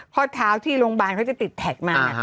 ข้อเท้าที่โรงพยาบาลเขาจะติดแท็กมา